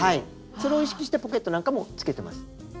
それを意識してポケットなんかもつけてます。